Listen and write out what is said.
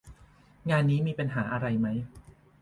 งานนี้มีปัญหาอะไรไหม